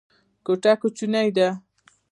کوټه کوچنۍ ده.